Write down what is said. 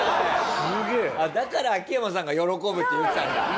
だから秋山さんが喜ぶって言ったんだ。